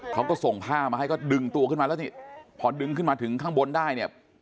เขาก็ส่งผ้ามาให้ก็ดึงตัวขึ้นมาแล้วนี่พอดึงขึ้นมาถึงข้างบนได้เนี่ย